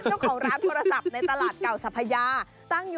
น้องของร้านโทรศัพท์ในตลาดเก่าสะพะยา